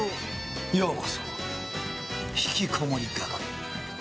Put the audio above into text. ようこそひきこもり係へ。